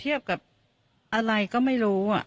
เปรียบเทียบกับอะไรก็ไม่รู้อ่ะ